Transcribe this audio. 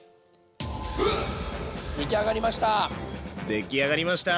出来上がりました！